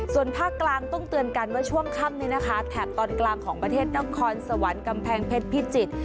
ส่วนภาคกลางต้องเตือนกันว่าช่วงค่ำนี้นะคะแถบตอนกลางของประเทศนครสวรรค์กำแพงเพชรพิจิตร